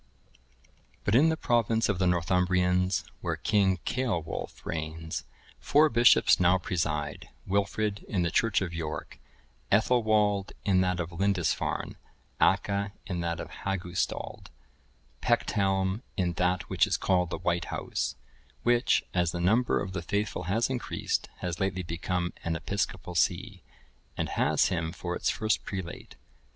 (1023) But in the province of the Northumbrians, where King Ceolwulf reigns, four bishops now preside; Wilfrid(1024) in the church of York, Ethelwald(1025) in that of Lindisfarne, Acca(1026) in that of Hagustald, Pecthelm(1027) in that which is called the White House, which, as the number of the faithful has increased, has lately become an episcopal see, and has him for its first prelate.